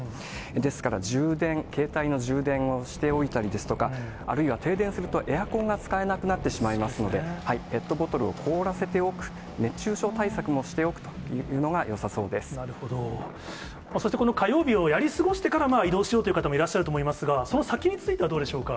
ですから、充電、携帯の充電をしておいたりですとか、あるいは停電するとエアコンが使えなくなってしまいますので、ペットボトルを凍らせておく、熱中症対策をしておくというのがそして、この火曜日をやり過ごしてから移動しようという方もいらっしゃると思いますが、その先については、どうでしょうか？